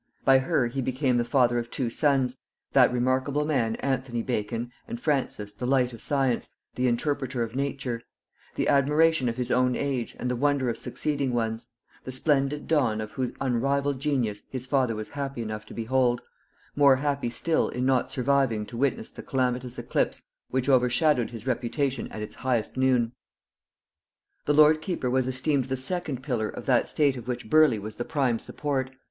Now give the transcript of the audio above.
By her he became the father of two sons; that remarkable man Anthony Bacon, and Francis, the light of science, the interpreter of nature; the admiration of his own age, and the wonder of succeeding ones; the splendid dawn of whose unrivalled genius his father was happy enough to behold; more happy still in not surviving to witness the calamitous eclipse which overshadowed his reputation at its highest noon. The lord keeper was esteemed the second pillar of that state of which Burleigh was the prime support.